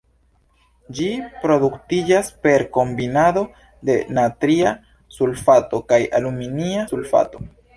Ĝi produktiĝas per kombinado de natria sulfato kaj aluminia sulfato.